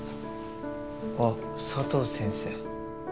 あっ佐藤先生。